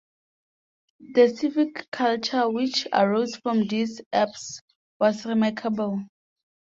The civic culture which arose from this "urbs" was remarkable.